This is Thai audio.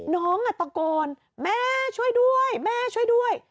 น้องตะโกนแม่ช่วยด้วยแม่ช่วยด้วย